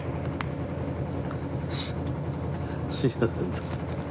すいません。